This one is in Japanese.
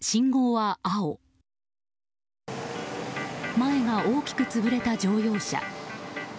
前が大きく潰れた乗用車。